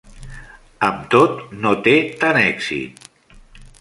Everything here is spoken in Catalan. Amb tot, no té tant èxit.